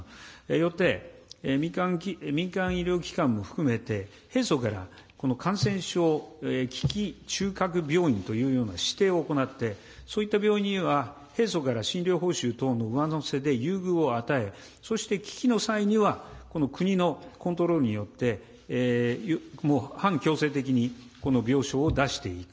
よって、民間医療機関も含めて、平素から感染症危機中核病院というような指定を行って、そういった病院には平素から診療報酬等の上乗せで優遇を与え、そして危機の際には、この国のコントロールによって、もう半強制的にこの病床を出していく。